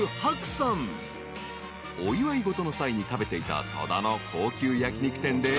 ［お祝い事の際に食べていた戸田の高級焼き肉店で］